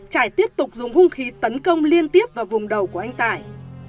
trải tiếp tục dùng hung khí tấn công liên tiếp vào vùng đầu của anh tài